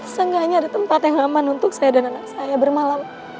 seenggaknya ada tempat yang aman untuk saya dan anak saya bermalam